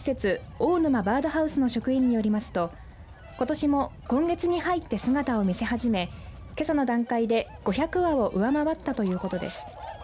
大沼バードハウスの職員によりますとことしも、今月に入って姿を見せ始めけさの段階で５００羽を上回ったということです。